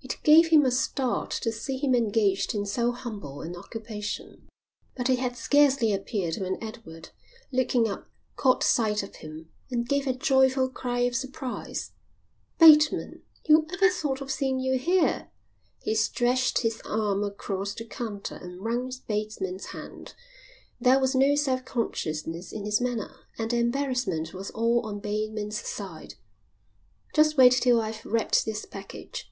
It gave him a start to see him engaged in so humble an occupation. But he had scarcely appeared when Edward, looking up, caught sight of him, and gave a joyful cry of surprise. "Bateman! Who ever thought of seeing you here?" He stretched his arm across the counter and wrung Bateman's hand. There was no self consciousness in his manner and the embarrassment was all on Bateman's side. "Just wait till I've wrapped this package."